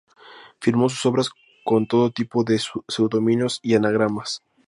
Firmó sus obras con todo tipo de seudónimos y anagramas.